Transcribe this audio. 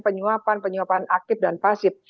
penyuapan penyuapan aktif dan pasif